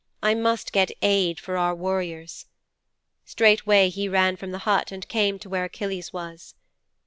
I must get aid for our warriors." Straightway he ran from the hut and came to where Achilles was.'